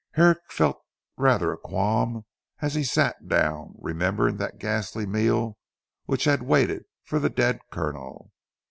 Herrick felt rather a qualm as he sat down, remembering that ghastly meal which had waited for the dead Colonel.